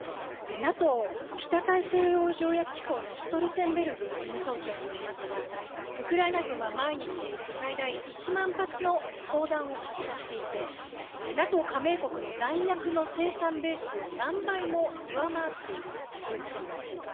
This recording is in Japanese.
ＮＡＴＯ・北大西洋条約機構のストルテンベルグ事務総長によりますと、ウクライナ軍は毎日、最大１万発の砲弾を発射していて、ＮＡＴＯ加盟国の弾薬の生産ベースを何倍も上回っているということであります。